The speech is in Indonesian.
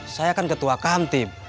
saya kan ketua kamtib